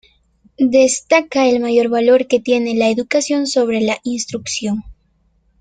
Destaca el mayor valor que tiene la educación sobre la instrucción.